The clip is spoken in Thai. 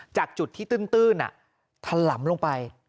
จากจุดที่ตื้นถล่ำลงไป